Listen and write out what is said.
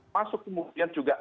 masuk kemudian juga